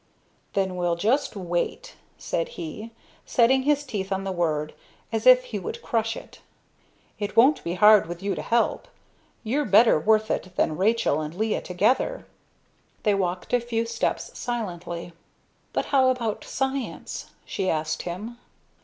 "Then we'll just wait," said he, setting his teeth on the word, as if he would crush it. "It won't be hard with you to help. You're better worth it than Rachael and Leah together." They walked a few steps silently. "But how about science?" she asked him.